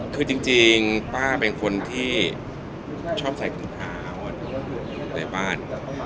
คือจริงป้าเป็นคนที่ชอบใส่ถุงเท้าในบ้าน